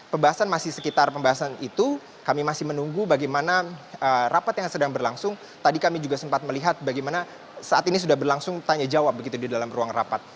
pembahasan masih sekitar pembahasan itu kami masih menunggu bagaimana rapat yang sedang berlangsung tadi kami juga sempat melihat bagaimana saat ini sudah berlangsung tanya jawab begitu di dalam ruang rapat